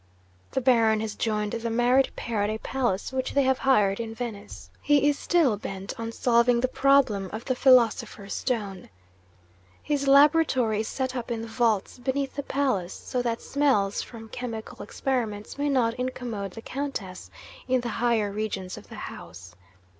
The Baron has joined the married pair at a palace which they have hired in Venice. He is still bent on solving the problem of the "Philosopher's Stone." His laboratory is set up in the vaults beneath the palace so that smells from chemical experiments may not incommode the Countess, in the higher regions of the house.